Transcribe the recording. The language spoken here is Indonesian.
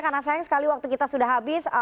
karena sayang sekali waktu kita sudah habis